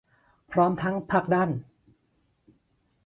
พร้อมทั้งผลักดัน